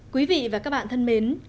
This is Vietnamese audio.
quý vị và các bạn thân mến